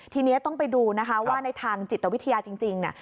ทีนี้ต้องไปดูนะคะว่าในทางจิตวิทยาจริงเนี่ย